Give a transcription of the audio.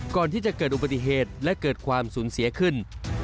ก่อนที่จะเกิดอุบัติเหตุและเกิดความสูญเสียขึ้น